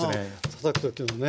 たたく時のねえ。